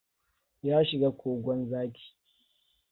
Ya shiga kogon zaki.